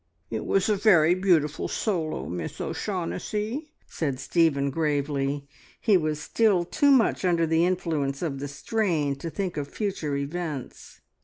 "It was a very beautiful solo, Miss O'Shaughnessy," said Stephen gravely. He was still too much under the influence of the strain to think of future events.